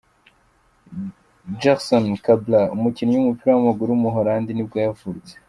Jerson Cabral, umukinnyi w’umupira w’amaguru w’umuholandi nibwo yavutse.